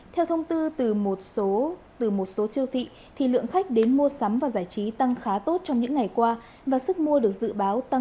theo thông tư từ một số siêu thị thì lượng khách đến mua sắm và giải trí tăng khá tốt trong những ngày qua và sức mua được dự báo tăng cao gấp hai đến ba lần so với ngày thường